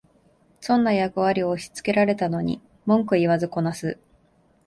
損な役割を押しつけられたのに文句言わずこなす